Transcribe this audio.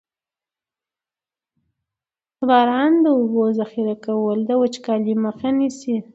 د باران د اوبو ذخیره کول د وچکالۍ مخه نیسي.